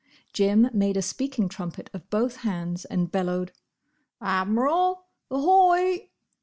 Jim made a speaking trumpet of both hands and bellowed, "Admiral, ahoy!"